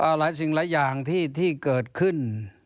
หลายสิ่งหลายอย่างที่เกิดขึ้น